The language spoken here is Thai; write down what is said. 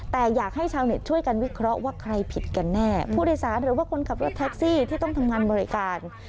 แต่อยากให้ชาวเน็ตช่วยกันวิเคราะห์ว่าใครผิดกันแน่ผู้โดยสารหรือว่าคนขับรถแท็กซี่ที่ต้องทำงานบริการ